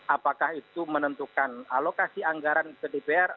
apakah itu menentukan alokasi anggaran ke dpr